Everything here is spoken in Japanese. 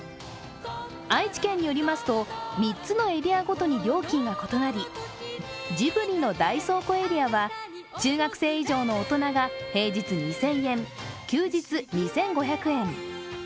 愛知県によりますと、３つのエリアごとに料金が異なりジブリの大倉庫エリアは中学生以上の大人が平日２０００円、休日２５００円。